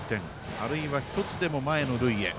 あるいは、１つでも前の塁へ。